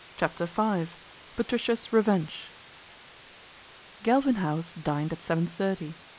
CHAPTER V PATRICIA'S REVENGE GALVIN HOUSE dined at seven thirty.